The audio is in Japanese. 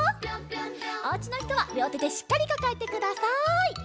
おうちのひとはりょうてでしっかりかかえてください。